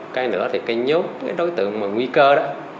cái nữa thì cái nhốt đối tượng nguy cơ đó